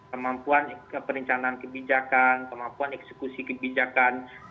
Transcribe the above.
kemampuan perencanaan kebijakan kemampuan eksekusi kebijakan